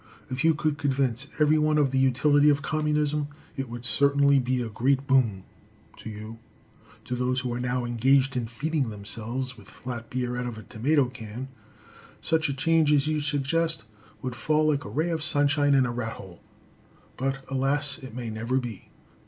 If you could convince every one of the utility of Communism, it would certainly be a great boon to you. To those who are now engaged in feeding themselves with flat beer out of a tomato can, such a change as you suggest would fall like a ray of sunshine in a rat hole, but alas! it may never be.